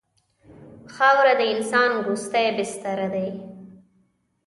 خاوره د انسان وروستی بستر دی.